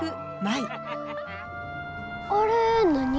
あれ何？